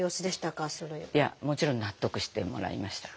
もちろん納得してもらいました。